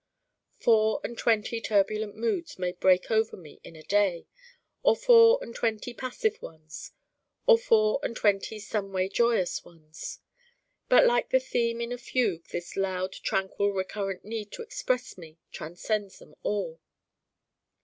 Four and twenty turbulent moods may break over me in a day, or four and twenty passive ones, or four and twenty someway joyous ones. But like the theme in a fugue this loud tranquil recurrent need to Express me transcends them all.